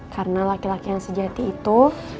karena laki laki yang sejati itu